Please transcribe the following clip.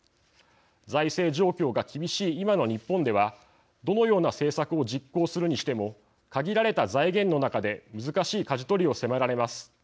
財政状況が厳しい今の日本ではどのような政策を実行するにしても限られた財源の中で難しいかじ取りを迫られます。